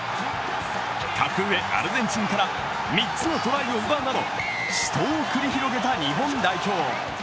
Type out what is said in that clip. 格上・アルゼンチンから３つのトライを奪うなど死闘を繰り広げた日本代表。